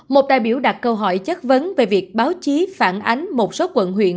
một đại biểu đặt câu hỏi chất vấn về việc báo chí phản ánh một số quận huyện